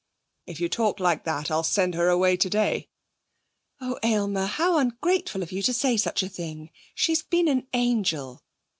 'If you talk like that, I'll send her away today.' 'Oh, Aylmer! how ungrateful of you to say such a thing! She's been an angel.'